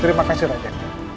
terima kasih raja